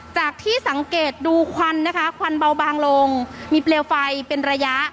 จากที่สังเกตดูควันนะคะควันเบาบางลงมีเปลวไฟเป็นระยะ